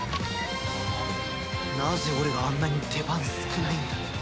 なぜ俺があんなに出番少ないんだ。